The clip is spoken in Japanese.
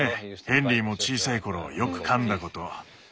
ヘンリーも小さいころよく噛んだこと。